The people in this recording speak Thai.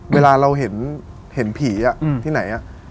เวลาเราเห็นผีที่ไหน